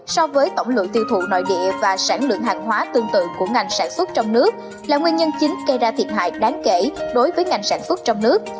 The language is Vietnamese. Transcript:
so với tổng lượng tiêu thụ nội địa và sản lượng hàng hóa tương tự của ngành sản xuất trong nước là nguyên nhân chính gây ra thiệt hại đáng kể đối với ngành sản xuất trong nước